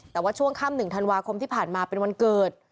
แต่ว่าช่วงค่ำ๑ธันวาคมที่ผ่านมาเป็นวันเกิด